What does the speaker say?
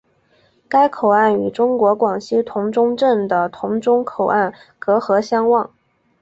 该口岸与中国广西峒中镇的峒中口岸隔河相望。